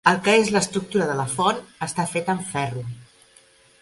El que és l'estructura de la font està feta amb ferro.